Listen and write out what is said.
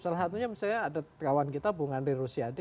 salah satunya misalnya ada kawan kita bung andri rosiade